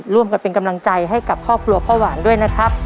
ร่วมกันเป็นกำลังใจให้กับครอบครัวพ่อหวานด้วยนะครับ